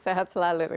sehat selalu ini pak